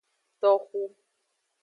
Toxu.